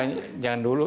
kalau jangan dulu